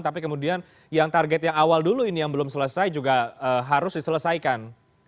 tapi kemudian yang target yang awal dulu ini yang belum selesai juga harus diselesaikan